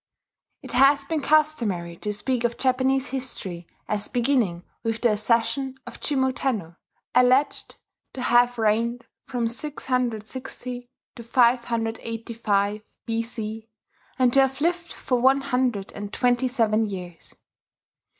It has been customary to speak of Japanese history as beginning with the accession of Jimmu Tenno, alleged to have reigned from 660 to 585 B.C., and to have lived for one hundred and twenty seven years.